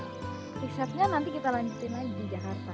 risetnya nanti kita lanjutin lagi di jakarta